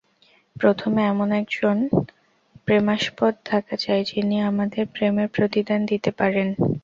প্রথমে এমন একজন প্রেমাস্পদ থাকা চাই, যিনি আমাদের প্রেমের প্রতিদান দিতে পারেন।